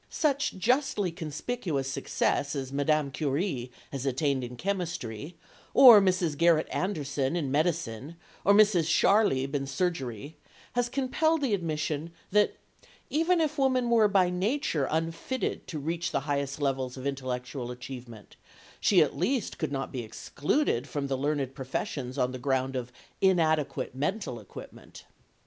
Such justly conspicuous success as Madame Curie has attained in chemistry, or Mrs. Garrett Anderson in medicine, or Mrs. Scharlieb in surgery, has compelled the admission that even if woman were by nature unfitted to reach the highest levels of intellectual achievement, she at least could not be excluded from the learned professions on the ground of inadequate mental equipment.